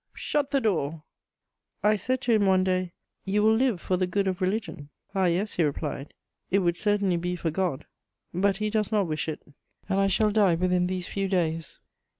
Shut the door!" I said to him one day: "You will live for the good of religion." "Ah, yes," he replied, "it would certainly be for God; but He does not wish it, and I shall die within these few days."